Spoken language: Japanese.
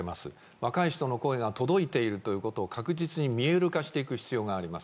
若い人の声が届いているということを確実に見える化していく必要があります。